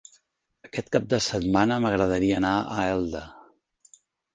Aquest cap de setmana m'agradaria anar a Elda.